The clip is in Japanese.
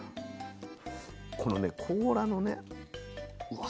このね甲羅のね。